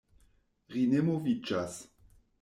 Ri ne moviĝas.